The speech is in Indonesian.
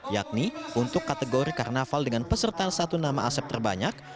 yakni untuk kategori karnaval dengan peserta satu nama asep terbanyak